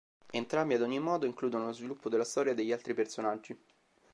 Entrambi, ad ogni modo, includono lo sviluppo della storia degli altri personaggi.